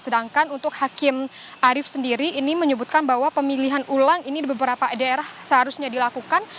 sedangkan untuk hakim arief sendiri ini menyebutkan bahwa pemilihan ulang ini di beberapa daerah seharusnya dilakukan